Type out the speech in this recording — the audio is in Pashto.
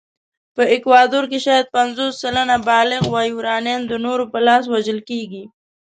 په اکوادور کې شاید پنځوس سلنه بالغ وایورانيان د نورو په لاس وژل کېږي.